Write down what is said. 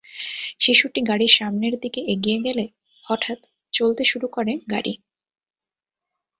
শিশুটি গাড়ির সামনের দিকে এগিয়ে গেলে হঠাৎ চলতে শুরু করে গাড়ি।